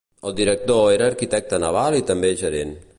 El Director era arquitecte naval i també gerent.